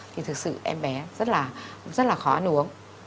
thì thực sự em bé rất là khó ăn uống